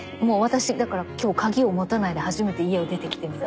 もう私だから今日鍵を持たないで初めて家を出てきて。